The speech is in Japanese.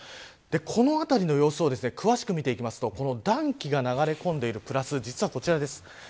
この辺りの様子を詳しく見ていくと暖気が流れ込んでいるプラス、こちらです。